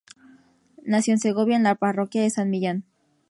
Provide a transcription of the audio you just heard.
Nació en Segovia, en la parroquia de San Millán.